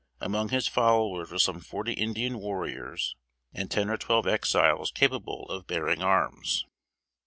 Among his followers were some forty Indian warriors and ten or twelve Exiles capable of bearing arms.